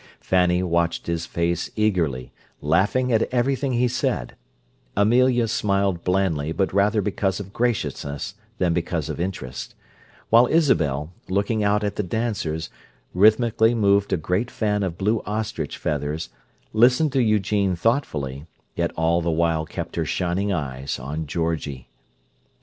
Fanny watched his face eagerly, laughing at everything he said; Amelia smiled blandly, but rather because of graciousness than because of interest; while Isabel, looking out at the dancers, rhythmically moved a great fan of blue ostrich feathers, listened to Eugene thoughtfully, yet all the while kept her shining eyes on Georgie.